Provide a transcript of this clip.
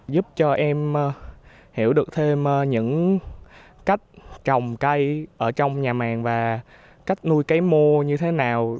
giúp cho em hiểu được thêm những cách trồng cây ở trong nhà màng và cách nuôi cây mô như thế nào